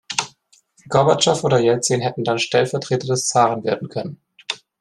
Gorbatschow oder Jelzin hätten dann „Stellvertreter“ des Zaren werden können.